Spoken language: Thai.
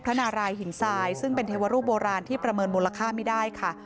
นารายหินทรายซึ่งเป็นเทวรูปโบราณที่ประเมินมูลค่าไม่ได้ค่ะ